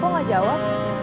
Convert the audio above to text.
kok gak jawab